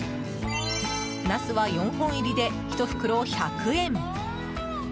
ナスは４本入りでひと袋１００円。